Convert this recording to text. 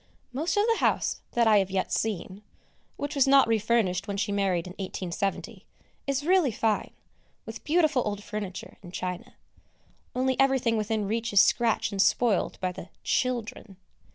Most of the house that I have yet seen, which was not refurnished when she married in 1870, is really fine, with beautiful old furniture and china; only everything within reach is scratched and spoilt by the "children."